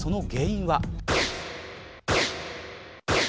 その原因は。